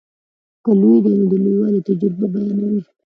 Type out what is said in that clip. که لوی دی نو د لویوالي تجربه بیانوي.